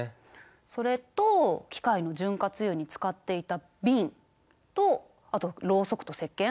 それと機械の潤滑油に使っていた瓶とあとろうそくとせっけん。